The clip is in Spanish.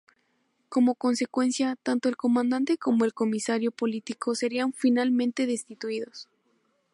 Como consecuencia, tanto el comandante como el comisario político serían fulminante destituidos.